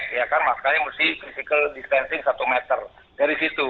misalnya tadi loose contact ya kan makanya mesti physical distancing satu meter dari situ